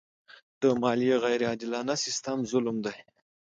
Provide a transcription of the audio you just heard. د مالیې غیر عادلانه سیستم ظلم دی.